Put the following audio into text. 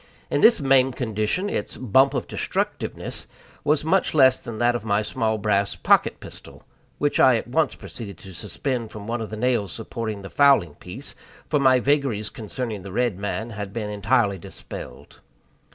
In this maimed condition its "bump of destructiveness" was much less than that of my small brass pocket pistol, which I at once proceeded to suspend from one of the nails supporting the fowling piece, for my vagaries concerning the red man had been entirely dispelled.